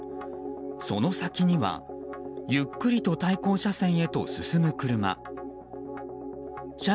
その先には、ゆっくりと対向車線へと進む車。